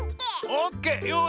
オッケー。